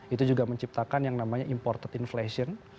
itu juga menciptakan yang namanya imported inflation